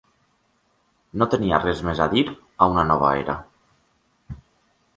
No tenia res més a dir a una nova era.